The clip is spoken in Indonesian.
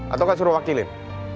atau kan suruh wakilin